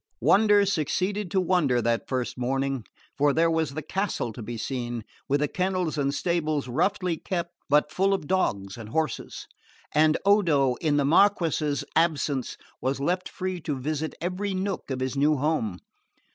Wonder succeeded to wonder that first morning; for there was the castle to be seen, with the kennels and stables roughly kept, but full of dogs and horses; and Odo, in the Marquess's absence, was left free to visit every nook of his new home.